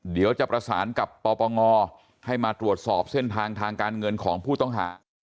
เดี๋ยวจะประสานกับปปงให้มาตรวจสอบเส้นทางทางการเงินของผู้ต้องหา